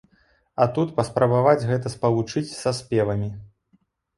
А тут паспрабаваць гэта спалучыць са спевамі.